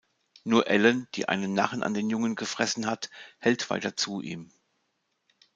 Nur Ellen, die einen Narren an den Jungen gefressen hat, hält weiter zu ihm.